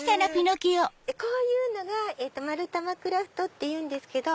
こういうのがまるたまクラフトっていうんですけど。